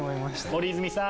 森泉さん